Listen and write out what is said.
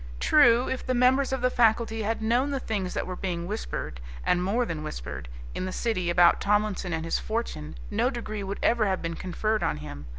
True, if the members of the faculty had known the things that were being whispered, and more than whispered, in the City about Tomlinson and his fortune, no degree would ever have been conferred on him.